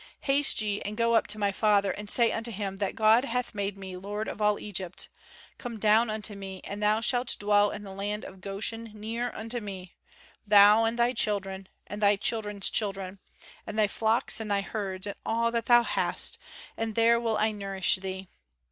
"Haste ye, and go up to my father, and say unto him that God hath made me lord of all Egypt: come down unto me, and thou shalt dwell in the land of Goshen near unto me, thou and thy children, and thy children's children, and thy flocks and thy herds, and all that thou hast, and there will I nourish thee.